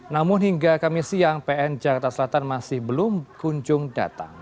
namun hingga kamis siang pn jakarta selatan masih belum kunjung datang